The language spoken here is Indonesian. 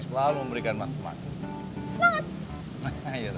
selalu memberikan mas semangat